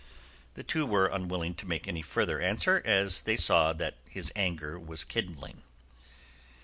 The two were unwilling to make any further answer, as they saw that his anger was kindling.